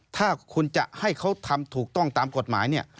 ถ้าคุณจะให้เขาทำถูกต้องตามกฎหมายเนี่ย